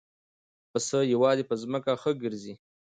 پسه یوازې په ځمکه ښه ګرځي.